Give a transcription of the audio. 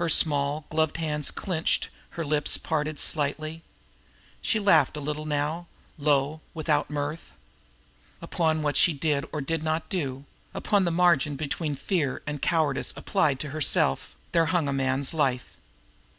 Her small, gloved hands clenched, her lips parted slightly. She laughed a little now, low, without mirth. Upon what she did or did not do, upon the margin between fear and cowardice as applied to herself, there hung a man's life.